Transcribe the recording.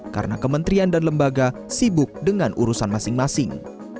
karena kementerian dan lembaga sibuk dengan urusan masing masing